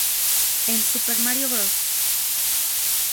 En "Super Mario Bros.